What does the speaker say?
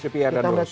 tiga pr dan dua